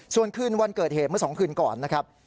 ส่วนคืนวันเกิดเหตุเมื่อ๒คืนก่อนนะครับ